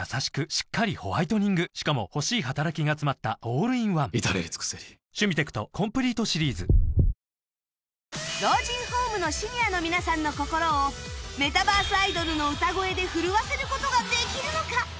しっかりホワイトニングしかも欲しい働きがつまったオールインワン至れり尽せり老人ホームのシニアの皆さんの心をメタバースアイドルの歌声で震わせる事ができるのか？